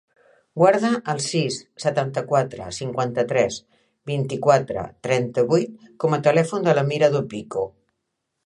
Guarda el sis, setanta-quatre, cinquanta-tres, vint-i-quatre, trenta-vuit com a telèfon de la Mirha Dopico.